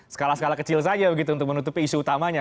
skala skala kecil saja begitu untuk menutupi isu utamanya